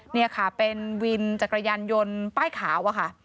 นี่ค่ะเป็นวินจักรยานยนต์ป้ายขาวอะค่ะ